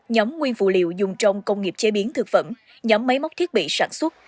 nhóm nguyên vụ liệu dùng trong công nghiệp chế biến thực phẩm nhóm máy móc thiết bị sản xuất